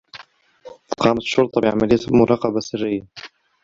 قامت الشّرطة بعمليّة مراقبة سرّيّة.